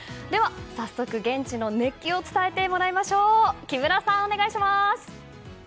早速現地の熱気を伝えてもらいましょう。